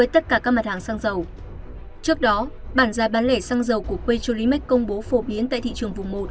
trước đó bản giá bán lẻ xăng dầu của quay trô lý mách công bố phổ biến tại thị trường vùng một